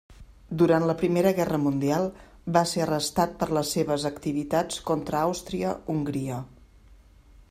Durant la Primera Guerra Mundial va ser arrestat per les seves activitats contra Àustria-Hongria.